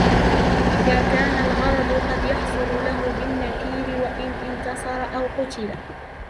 إذَا كَانَ الْغَرَضُ قَدْ يَحْصُلُ لَهُ بِالنَّكِيرِ وَإِنْ انْتَصَرَ أَوْ قُتِلَ